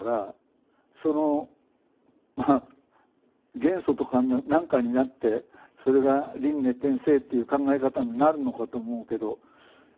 元素とか何かになってそれが輪廻転生っていう考え方になるのかと思うけど。